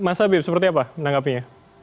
mas habib seperti apa menanggapinya